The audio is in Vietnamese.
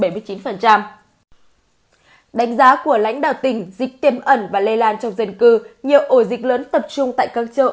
đánh giá của lãnh đạo tỉnh dịch tiềm ẩn và lây lan trong dân cư nhiều ổ dịch lớn tập trung tại các chợ